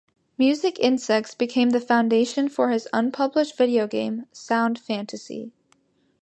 "Music Insects" became the foundation for his unpublished video game "Sound Fantasy".